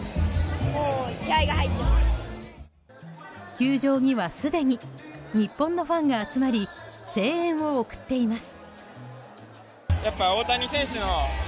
球場にはすでに日本のファンが集まり声援を送っています。